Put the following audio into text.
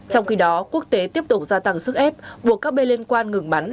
trong khi đó quốc tế tiếp tục gia tăng sức ép buộc các bên liên quan ngừng bắn